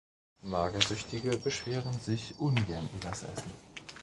Magersüchtige beschweren sich ungern übers Essen.